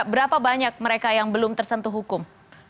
berapa banyak mereka yang belum tersentuh hukum